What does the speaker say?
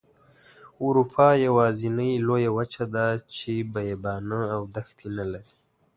اروپا یوازینۍ لویه وچه ده چې بیابانه او دښتې نلري.